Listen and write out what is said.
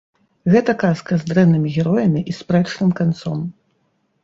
Гэта казка з дрэннымі героямі і спрэчным канцом.